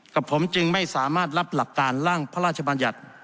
กับผมจึงไม่สามารถรับหลักการร่างพระราชบัญญัติ